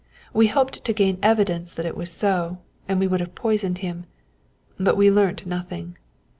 We hoped to gain evidence that it was so, and we would have poisoned him. But we learnt nothing.